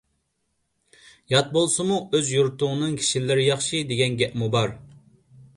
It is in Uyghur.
«يات بولسىمۇ ئۆز يۇرتۇڭنىڭ كىشىلىرى ياخشى» دېگەن گەپمۇ بار.